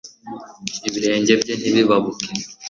Ibirenge bye ntibibabuke